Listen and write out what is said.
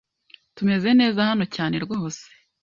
Tumeze neza hano cyane rwose